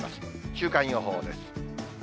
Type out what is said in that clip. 週間予報です。